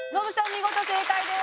見事正解です。